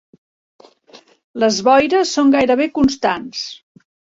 Les boires són gairebé constants.